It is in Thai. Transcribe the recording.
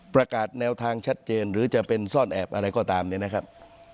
ประกาศแนวทางชัดเจนหรือจะเป็นซ่อนแอบอะไรก็ตามเนี่ยนะครับ